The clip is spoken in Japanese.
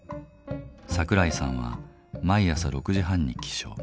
桜井さんは毎朝６時半に起床。